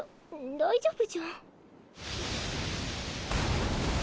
大丈夫じゃ。